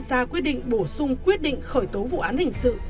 ra quyết định bổ sung quyết định khởi tố vụ án hình sự